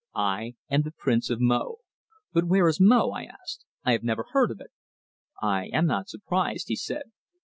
I am the Prince of Mo." "But where is Mo?" I asked. "I have never heard of it." "I am not surprised," he said.